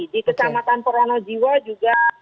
di kecamatan purwonojiwa juga